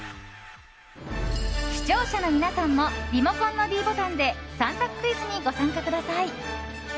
視聴者の皆さんもリモコンのｄボタンで３択クイズにご参加ください。